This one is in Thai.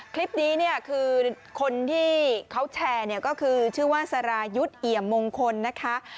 คลิปนี้เนี่ยคือคนที่เขาแชร์เนี่ยก็คือชื่อว่าสรายุทธ์เอี่ยมมงคลนะคะ